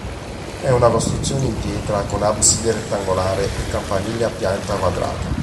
È una costruzione in pietra con abside rettangolare e campanile a pianta quadrata.